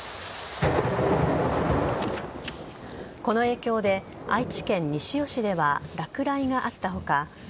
この影響で、愛知県西尾市では落雷があった他